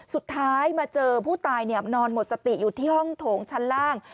สุดท้ายมาเจอผู้ตายนอนหมดสติอยู่ที่ห้องโถงชั้นล่าง